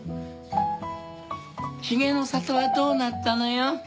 髭の里はどうなったのよ。